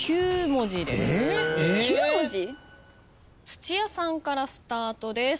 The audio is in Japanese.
土屋さんからスタートです。